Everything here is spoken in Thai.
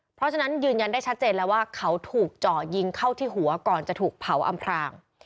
เพราะฉะนั้นยืนยันได้ชัดเจนแล้วว่าเขาถูกเจาะยิงเข้าที่หัวก่อนจะถูกเผาอำพราง